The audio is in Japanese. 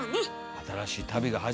新しい旅が始まったと。